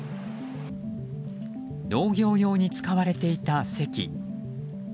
農業用に使われていた堰。